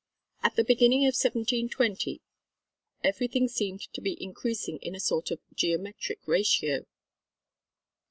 At the beginning of 1720 everything seemed to be increasing in a sort of geometric ratio.